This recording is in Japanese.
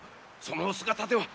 そのお姿では。